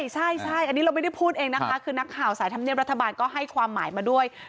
ใช่อันนี้เราไม่ได้พูดเองนะคะคือนักข่าวสายธรรมเนียบรัฐบาลก็ให้ความหมายมาด้วย